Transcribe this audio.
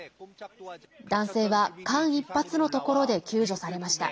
男性は間一髪のところで救助されました。